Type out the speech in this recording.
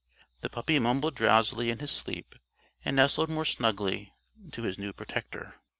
The puppy mumbled drowsily in his sleep and nestled more snugly to his new protector.